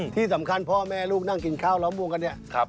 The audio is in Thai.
ที่สำคัญพ่อแม่ลูกนั่งกินข้าวร้องมวงกัน